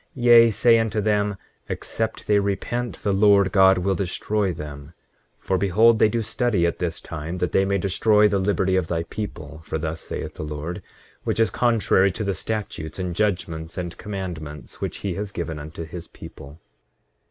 Yea, say unto them, except they repent the Lord God will destroy them. 8:17 For behold, they do study at this time that they may destroy the liberty of thy people, (for thus saith the Lord) which is contrary to the statutes, and judgments, and commandments which he has given unto his people.